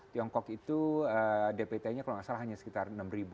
tiongkok itu dpt nya kalau nggak salah hanya sekitar enam